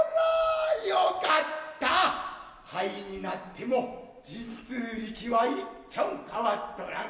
灰になっても神通力はいっちょン変っとらん。